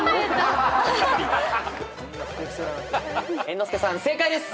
猿之助さん正解です。